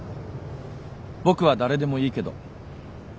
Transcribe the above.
僕は誰でもいいけど。